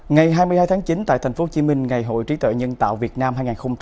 ngày hai mươi hai tháng chín tại tp hcm ngày hội trí tuệ nhân tạo việt nam hai nghìn hai mươi ba